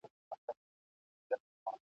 منظور مشر !.